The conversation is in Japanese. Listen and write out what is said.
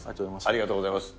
ありがとうございます。